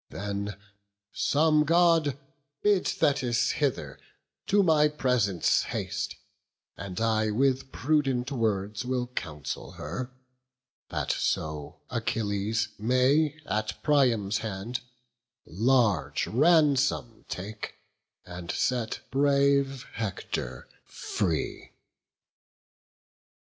Then, some God Bid Thetis hither to my presence haste; And I with prudent words will counsel her, That so Achilles may at Priam's hand Large ransom take, and set brave Hector free."